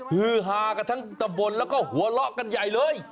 ฮือฮากันทั้งตำบลแล้วก็หัวเราะกันใหญ่เลย